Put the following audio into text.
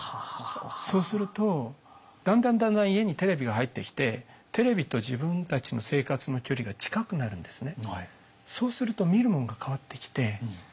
そうするとだんだんだんだん家にテレビが入ってきてテレビと自分たちの生活の距離が近くなるんですね。